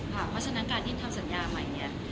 เพราะฉะนั้นการที่ทำสัญญาใหม่เนี่ย